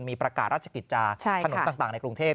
มีประกาศราชกิจจาถนนต่างในกรุงเทพ